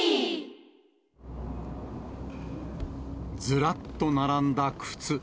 ずらっと並んだ靴。